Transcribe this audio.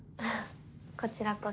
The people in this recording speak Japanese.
こちらこそ。